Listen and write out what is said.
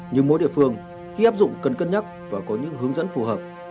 nhưng mỗi địa phương khi áp dụng cần cân nhắc và có những hướng dẫn phù hợp